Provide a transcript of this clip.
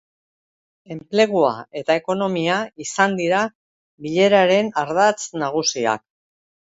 Enplegua eta ekonomia izan dira bileraren ardatz nagusiak.